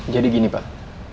jadi gini pak